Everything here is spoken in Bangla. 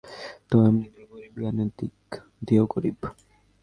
আমার এখন মনে হইতাছে, আপনি তো এমনিতেই গরীব, জ্ঞানের দিক দিয়েও গরীব।